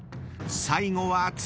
［最後は剛。